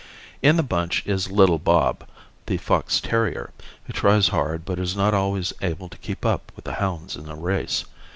In the bunch is little Bob, the fox terrier, who tries hard but is not always able to keep up with the hounds in a race.